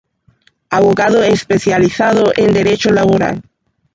Abogado especializado en Derecho Laboral.